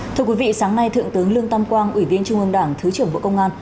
thưa quý vị sáng nay thượng tướng lương tam quang ủy viên trung ương đảng thứ trưởng bộ công an